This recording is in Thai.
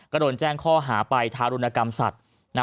ก็โดนแจ้งข้อหาไปทารุณกรรมสัตว์